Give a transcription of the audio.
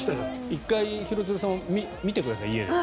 １回、廣津留さんは見てください。